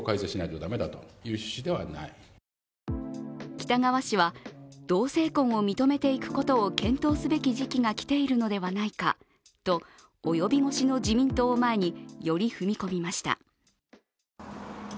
北側氏は同性婚を認めていくことを検討すべき時期が来ているのではないかと、及び腰の自民党を前により踏み込みました。